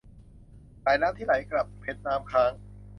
สายน้ำที่ไหลกลับ - เพชรน้ำค้าง